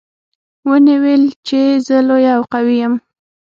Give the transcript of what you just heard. ونې ویل چې زه لویه او قوي یم.